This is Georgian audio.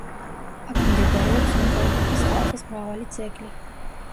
აქ მდებარეობს ლუკაიანის ხალხის მრავალი ძეგლი.